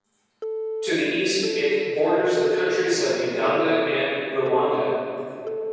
To the east it borders the countries of Uganda and Rwanda.